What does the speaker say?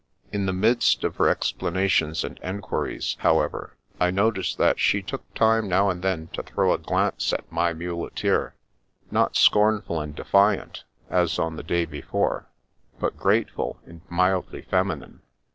In the midst of her ex planations and enquiries, however, I noticed that she took time now and then to throw a glance at my muleteer, not scornful and defiant, as on the day before, but grateful and mildly feminine.